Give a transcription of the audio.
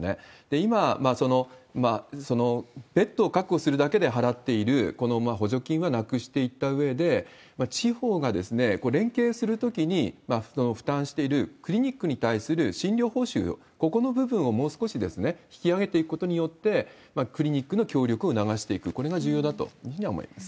今、ベッドを確保するだけで払っている補助金はなくしていったうえで、地方が連携するときに、負担しているクリニックに対する診療報酬、ここの部分をもう少し引き上げていくことによって、クリニックの協力を促していく、これが重要だというふうには思います。